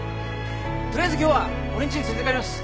取りあえず今日は俺んちに連れて帰ります。